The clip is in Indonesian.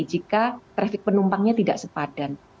jika trafik penumpangnya tidak sepadan